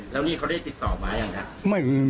แล้วนี่เขาได้ติดต่อไว้หรือยังล่ะ